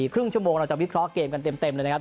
ครึ่งชั่วโมงเราจะวิเคราะห์เกมกันเต็มเลยนะครับ